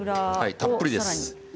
たっぷりです。